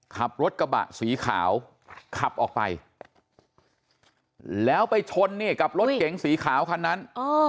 ขับรถกระบะสีขาวขับออกไปแล้วไปชนเนี่ยกับรถเก๋งสีขาวคันนั้น